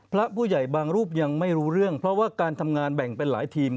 พระผู้ใหญ่บางรูปยังไม่รู้เรื่องเพราะว่าการทำงานแบ่งเป็นหลายทีม